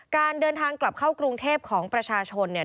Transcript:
การเดินทางกลับเข้ากรุงเทพของประชาชนเนี่ย